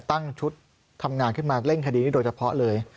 ตั้งชุดทำงานขึ้นมาเร่งคดีนี้โดยเฉพาะเลย